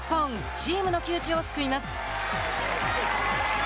チームの窮地を救います。